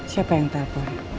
siapa yang takut